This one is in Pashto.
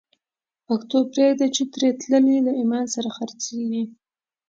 پښتو پریږده چی تری تللی، له ایمان سره خرڅیږی